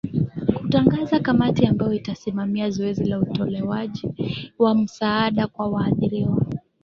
kutangaza kamati ambayo itasimamia zoezi la utolewaji wa msaada kwa waadhiriwa